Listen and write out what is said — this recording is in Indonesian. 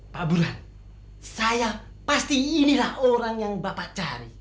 pak burhan saya pasti inilah orang yang bapak cari